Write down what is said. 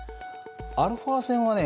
α線はね